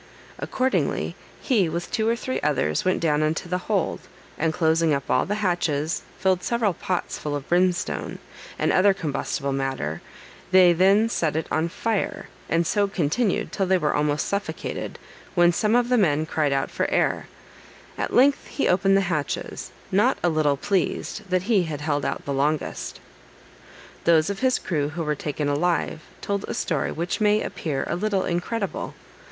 Accordingly he, with two or three others, went down into the hold, and closing up all the hatches, filled several pots full of brimstone, and other combustible matter; they then set it on fire, and so continued till they were almost suffocated, when some of the men cried out for air; at length he opened the hatches, not a little pleased that he had held out the longest. Those of his crew who were taken alive, told a story which may appear a little incredible.